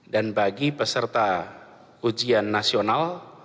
dan bagi peserta ujian nasional